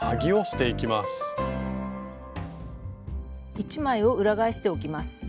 １枚を裏返しておきます。